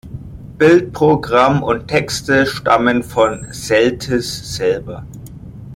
Bildprogramm und Texte stammen von Celtis selber.